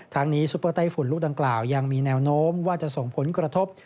ทั้งนี้ซุปเปอร์ไต้ฝุ่นลูกดังกล่าวยังมีแนวโน้มว่าจะส่งผลกระทบ